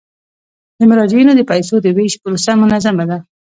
د مراجعینو د پيسو د ویش پروسه منظمه ده.